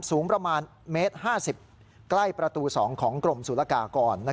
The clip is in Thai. สูงประมาณเมตร๕๐ใกล้ประตู๒ของกรมศุลกากร